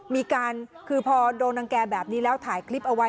มีการคือพอโดนรังแก่แบบนี้แล้วถ่ายคลิปเอาไว้